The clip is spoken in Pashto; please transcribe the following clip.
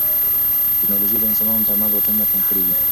ټیکنالوژي د انسانانو ترمنځ واټنونه کم کړي دي.